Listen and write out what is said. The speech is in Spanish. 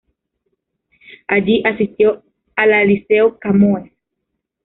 Allí, asistió a la Liceo Camões.